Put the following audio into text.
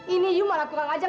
ini yu malah kurang ajar